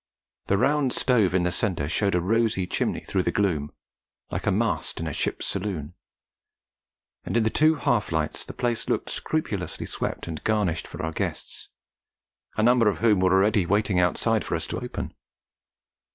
The round stove in the centre showed a rosy chimney through the gloom, like a mast in a ship's saloon; and in the two half lights the place looked scrupulously swept and garnished for our guests, a number of whom were already waiting outside for us to open.